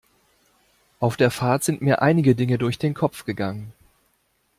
Auf der Fahrt sind mir einige Dinge durch den Kopf gegangen.